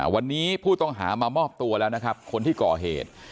วันนี้ผู้ต้องหามามอบตัวโดยคนที่ก่อเหตุ